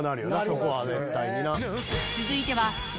そこは絶対にな。